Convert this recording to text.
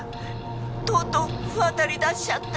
とうとう不渡り出しちゃって。